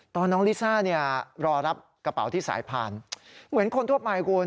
น้องลิซ่าเนี่ยรอรับกระเป๋าที่สายพานเหมือนคนทั่วไปคุณ